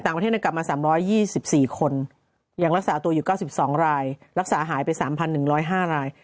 ต่างประเทศกลับมา๓๒๔คนยังรักษาตัวอยู่๙๒รายรักษาหายไป๓๑๐๕ราย